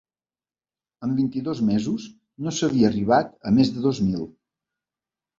En vint-i-dos mesos no s’havia arribat a més de dos mil.